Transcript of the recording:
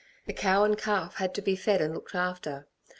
The cow and calf had to be fed and looked after.